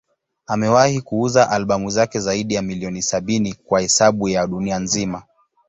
Amewahi kuuza albamu zake zaidi ya milioni sabini kwa hesabu ya dunia nzima.